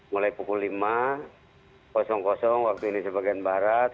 mulai pukul lima waktu ini sebagian barat